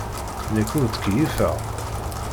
Nekk ur ttkeyyifeɣ.